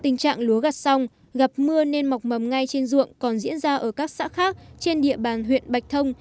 tình trạng lúa gặt xong gặp mưa nên mọc mầm ngay trên ruộng còn diễn ra ở các xã khác trên địa bàn huyện bạch thông